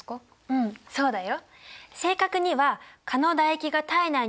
うんそうだよ。